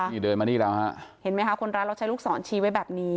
นี่เดินมานี่แล้วฮะเห็นไหมคะคนร้ายเราใช้ลูกศรชี้ไว้แบบนี้